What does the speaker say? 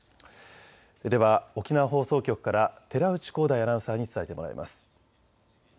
では沖縄放送局から寺内皓大アナウンサーに伝えてもらいます。